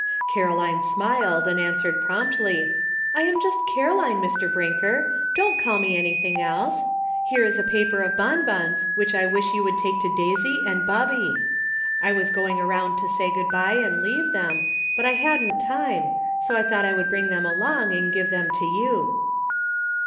Caroline smiled, and answered promptly : '*I am just Caroline, Mr. Brinker; don't call me anything else. Here is a paper of bonbons which I wish you would take to Daisy and Bubby. I was going around to say good by and leave them, but I hadn't time, so I thought I would bring them along and give them to you."